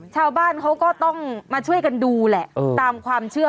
ชาวบ้านเขาก็ต้องมาช่วยกันดูแหละตามความเชื่อ